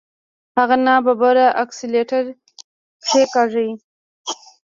هغه ناببره اکسلېټر کېکاږه.